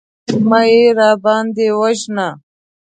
مه يې راباندې وژنه.